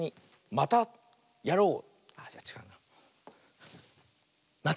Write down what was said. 「またやろう！」。